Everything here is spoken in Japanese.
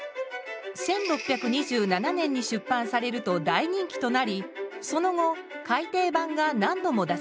１６２７年に出版されると大人気となりその後改訂版が何度も出されました。